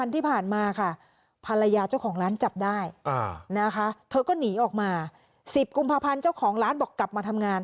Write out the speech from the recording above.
เธอก็หนีออกมาสิบกุมภาพันธ์เจ้าของร้านบอกกลับมาทำงาน